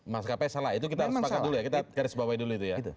mas kp salah itu kita harus sepakat dulu ya kita garis bawah dulu itu ya